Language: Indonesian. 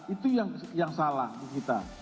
itu yang salah di kita